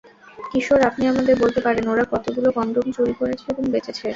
কিশোর, আপনি আমাদের বলতে পারেন, ওরা কতোগুলো কনডম চুরি করেছে এবং বেচেছে?